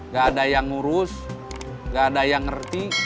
gak ada yang ngurus gak ada yang ngerti